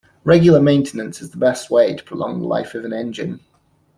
Regular maintenance is the best way to prolong the life of an engine.